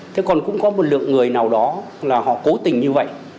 thế còn cũng có một lượng người nào đó là họ cố tình như vậy